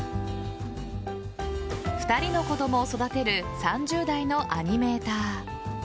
２人の子供を育てる３０代のアニメーター。